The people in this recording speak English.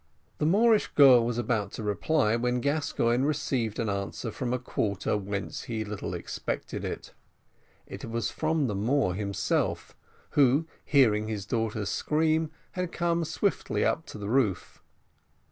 The Moorish girl was about to reply, when Gascoigne received an answer from a quarter whence he little expected it. It was from the Moor himself, who, hearing his daughter scream, had come swiftly up to the roof.